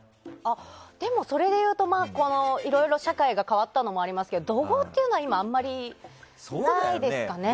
でも、それでいうといろいろ社会が変わったのもありますけど怒号というのは今、あんまりないですかね。